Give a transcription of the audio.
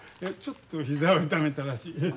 ちょっと膝を痛めたらしい。